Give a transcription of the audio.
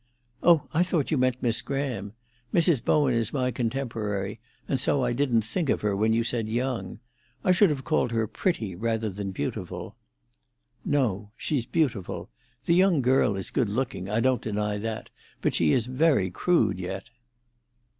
"Oh, I thought you meant Miss Graham. Mrs. Bowen is my contemporary, and so I didn't think of her when you said young. I should have called her pretty rather than beautiful." "No; she's beautiful. The young girl is good looking—I don't deny that; but she is very crude yet."